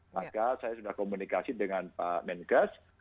maka saya sudah komunikasi dengan pak menkes